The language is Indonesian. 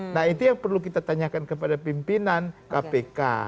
nah itu yang perlu kita tanyakan kepada pimpinan kpk